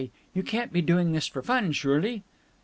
You can't be doing this for fun, surely?"